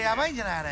あれ。